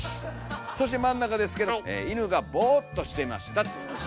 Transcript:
そして真ん中ですけども「犬がボーっとしていました」と。